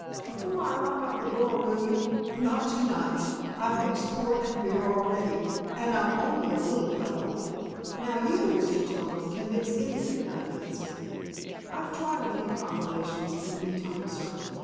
Afore I lock up the bar, will you—" "Not to night. I've mixed port and beer already, and I'm only a little fellow. Now you, Mr. Tomlin, can mix anything, I fancy?" "I've tried a few combinations in me time, sir."